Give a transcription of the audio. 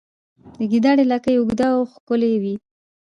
د ګیدړې لکۍ اوږده او ښکلې وي